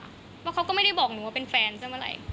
เพราะเขาก็ไม่ได้บอกหนูว่าเป็นแฟนซะเมื่อไหร่